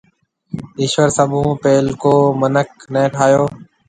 ايشوَر سڀ هون پيلڪو مِنک نَي ٺاھيَََو